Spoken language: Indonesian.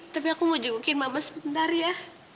tapi aku mau jukukin mama sebentar ya